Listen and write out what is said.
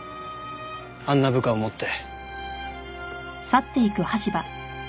あんな部下を持って。